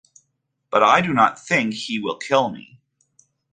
But I do not think he will kill me.